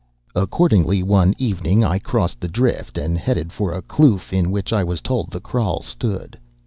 "Accordingly one evening I crossed the drift and headed for a kloof in which I was told the kraal stood.